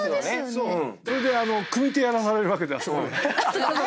それで組み手やらされるわけだよあそこで。